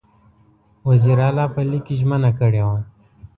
وزیر علي په لیک کې ژمنه کړې وه.